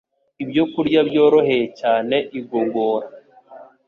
ibyokurya byoroheye cyane igogora.